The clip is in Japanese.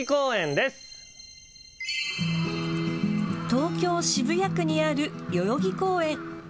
東京・渋谷区にある代々木公園。